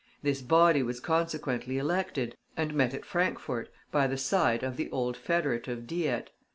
This body was consequently elected, and met at Frankfort, by the side of the old Federative Diet.